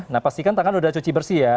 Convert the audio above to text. nah pastikan tangan udah cuci bersih ya